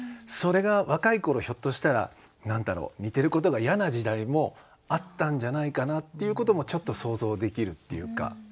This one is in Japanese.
それが若い頃ひょっとしたら何だろう似てることが嫌な時代もあったんじゃないかなっていうこともちょっと想像できるっていうか。